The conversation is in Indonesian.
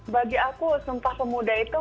bagi aku sumpah pemuda itu